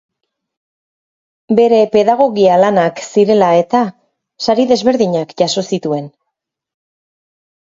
Bere pedagogia lanak zirela eta sari desberdinak jaso zituen.